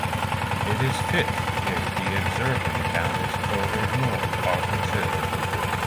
It is fifth if the exurban counties further north are considered.